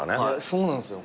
そうなんすよ